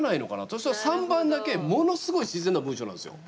そしたら３番だけものすごい自然な文章なんですよ。